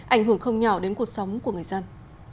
ảnh hưởng không nhỏ đến cuộc sống của người dân